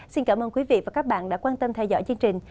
xin cảm ơn quý vị và các bạn đã quan tâm theo dõi chương trình